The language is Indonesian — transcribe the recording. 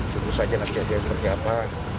cukup saja nantinya seperti apa